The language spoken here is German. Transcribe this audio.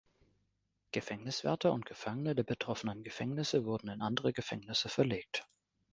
Gefängniswärter und Gefangene der betroffenen Gefängnisse wurden in andere Gefängnisse verlegt.